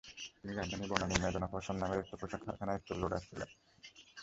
তিনি রাজধানীর বনানীর Madonna fashion নামের একটি পোশাক কারখানার স্টোর লোডার ছিলেন।